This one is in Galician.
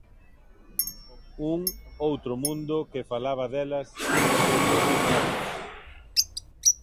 Un outro mundo que falaba delas nos seus propios termos.